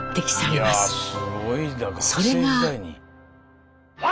それが。